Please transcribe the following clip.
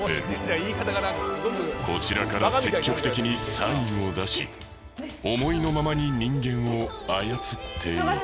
こちらから積極的にサインを出し思いのままに人間を操っていこう。